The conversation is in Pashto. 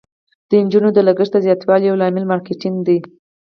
د انجوګانو د لګښت د زیاتوالي یو لامل مارکیټینګ دی.